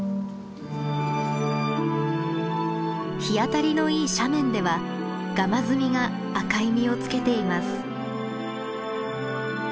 日当たりのいい斜面ではガマズミが赤い実をつけています。